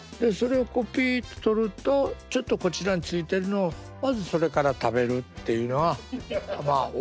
それをピって取るとちょっとこちらについてるのをまずそれから食べるっていうのがまあ